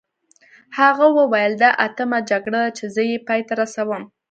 هغه وویل دا اتمه جګړه ده چې زه یې پای ته رسوم.